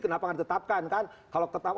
kenapa harus ditetapkan kan kalau tetap